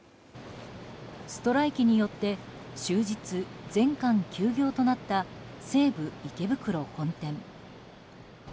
ストライキによって終日、全館休業となった西武池袋本店。